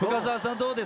どうですか？